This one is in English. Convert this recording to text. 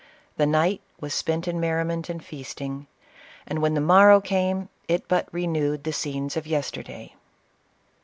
The night was spent in merriment and feasting, and when the morrow came, it but re newed the scenes of yesterday.